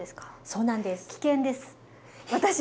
そうなんです。